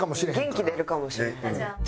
元気出るかもしれへん。